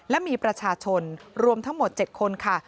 และมีประชาชนรวมทั้งหมด๗คนค่ะ